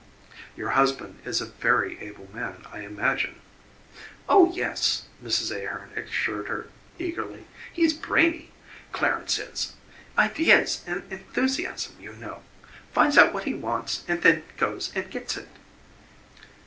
"Your husband is a very able man, I imagine." "Oh, yes," Mrs. Ahearn assured her eagerly. "He's brainy, Clarence is. Ideas and enthusiasm, you know. Finds out what he wants and then goes and gets it."